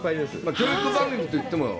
教育番組といっても。